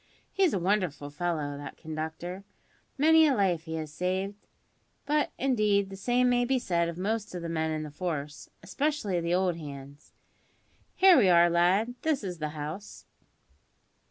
He's a wonderful fellow, that conductor! Many a life he has saved; but, indeed, the same may be said of most of the men in the force, especially the old hands. Here we are, lad. This is the house."